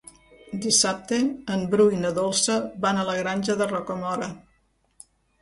Dissabte en Bru i na Dolça van a la Granja de Rocamora.